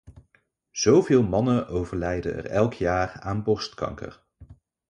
Zoveel mannen overlijden er elk jaar aan borstkanker.